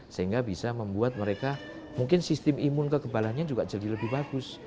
sehingga bisa membuat mereka mungkin sistem imun kekebalannya juga jadi lebih bagus